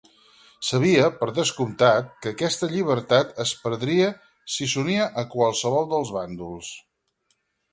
Sabia, per descomptat, que aquesta llibertat es perdria si s'unia a qualsevol dels bàndols.